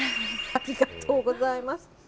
ありがとうございます。